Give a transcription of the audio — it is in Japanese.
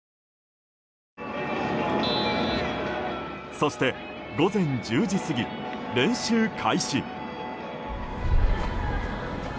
そして午前１０時過ぎ練習開始。